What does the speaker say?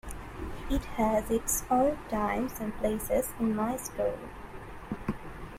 It has its own times and places in my story.